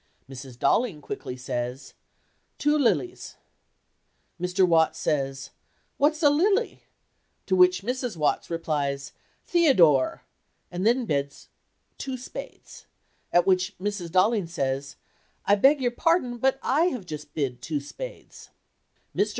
Mrs. Dollings quickly says, "Two lilies," Mr. Watts says, "What's a lily?" to which Mrs. Watts replies, "Theodore!" and then bids "Two spades," at which Mrs. Dollings says, "I beg your pardon, but I have just bid two spades." Mr.